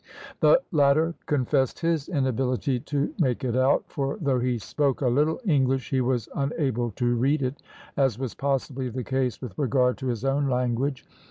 The latter confessed his inability to make it out; for though he spoke a little English he was unable to read it, as was possibly the case with regard to his own language.